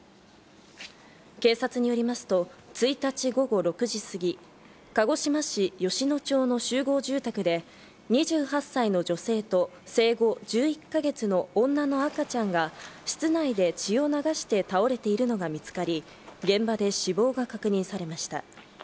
警察によりますと、１日午後６時すぎ、鹿児島市吉野町の集合住宅で２８歳の女性と生後１１か月の女の赤ちゃんが室内で血を流して倒れているのが見つかり、現場で死亡が確認されました。